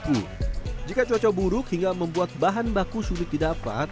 sehingga cuaca buruk hingga membuat bahan baku sulit didapat